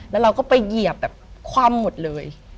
แล้วเราก็ไปเหยียบแบบคว่ำหมดเลย